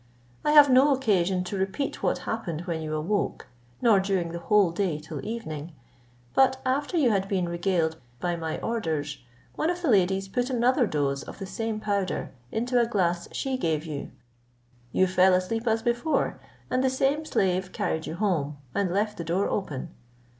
I have no occasion to repeat what happened when you awoke, nor during the whole day till evening, but after you had been regaled by my orders, one of the ladies put another dose of the same powder into a glass she gave you; you fell asleep as before, and the same slave carried you home, and left the door open.